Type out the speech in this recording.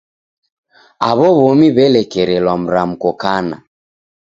Aw'o w'omi w'elekerelwa mramko kana.